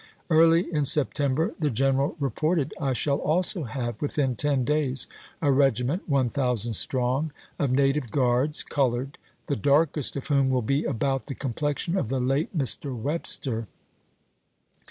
Early in September the general reported, "I shall also have within ten days a ^stSon? regiment, one thousand strong, of native guards sept.,^862. ^(3QiQj.g(^^^ i}^Q darkest of whom will be about the p.' 559. ■' complexion of the late Mr. Webster."